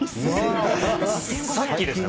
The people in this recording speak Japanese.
さっきですね